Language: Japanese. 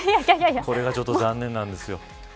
これがちょっと残念なんですよ。